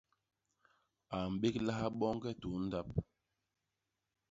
A mbéglaha boñge tuñ ndap.